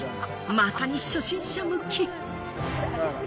まさに初心者向き。